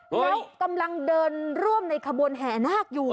แล้วกำลังเดินร่วมในขบวนแห่นาคอยู่